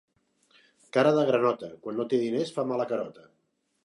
Cara de granota, quan no té diners fa mala carota